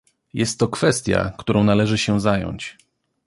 Jest to kwestia, którą należy się zająć